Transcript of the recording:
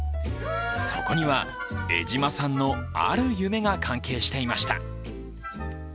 そこには江島さんのある夢が関係していました。